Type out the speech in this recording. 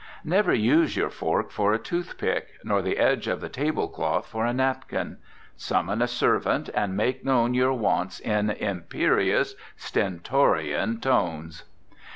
Never use your fork for a tooth pick, nor the edge of the table cloth for a napkin. Summon a servant, and make known your wants in imperious, stentorian tones.